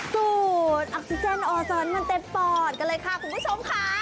สูตรออกซิเจนออซอนมันเต็มปอดกันเลยค่ะคุณผู้ชมค่ะ